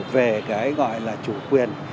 về cái gọi là chủ quyền